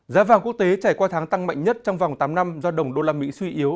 giá vàng quốc tế chảy qua tháng tăng mạnh nhất trong vòng tám năm do đồng usd suy yếu